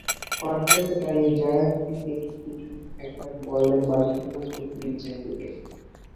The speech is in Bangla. পার্শ্বরেখায় দাঁড়িয়ে জেরার্ড পিকেকে কিছু একটা বললেন বার্সা কোচ লুইস এনরিকে।